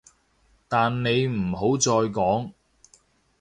但你唔好再講